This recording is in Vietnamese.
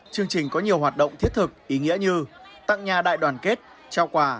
chương trình có nhiều hoạt động thiết thực ý nghĩa như tặng nhà đại đoàn kết trao quà